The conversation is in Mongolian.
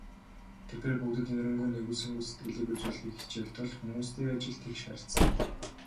Тэр бээр бүгдэд энэрэнгүй, нигүүлсэнгүй сэтгэлийг үзүүлэхийг хичээх тул хүмүүстэй ижил тэгш харьцана.